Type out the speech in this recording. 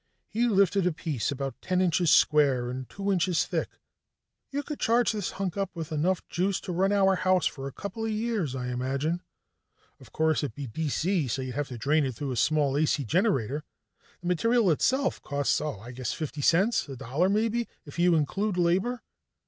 He lifted a piece about ten inches square and two inches thick. "You could charge this hunk up with enough juice to run our house for a couple of years, I imagine; of course, it'd be D.C., so you'd have to drain it through a small A.C. generator. The material itself costs, oh, I'd guess fifty cents, a dollar maybe if you include labor."